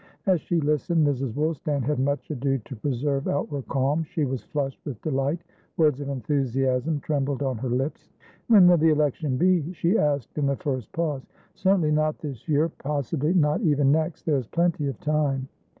As she listened, Mrs. Woolstan had much ado to preserve outward calm; she was flushed with delight; words of enthusiasm trembled on her lips. "When will the election be?" she asked in the first pause. "Certainly not this year. Possibly not even next. There's plenty of time."